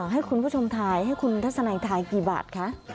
ให้คุณผู้ชมถ่ายให้คุณทัศนัยถ่ายกี่บาทคะ